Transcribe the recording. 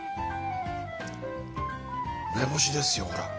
梅干しですよほら。